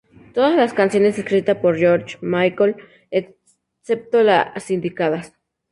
Todas las canciones escritas por George Michael excepto las indicadas.